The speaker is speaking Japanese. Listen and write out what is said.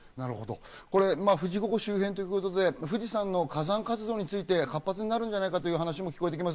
富士五湖周辺ということで富士山の火山活動について活発になるんじゃないかという話も聞こえています。